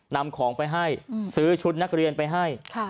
นำของไปให้ซื้อชุดนักเรียนไปให้